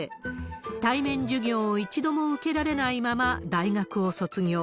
対面授業を一度も受けられないまま、大学を卒業。